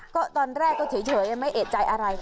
ก็ตอนแรกก็เฉยยังไม่เอกใจอะไร